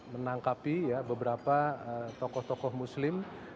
menangkapi ya beberapa tokoh tokoh muslim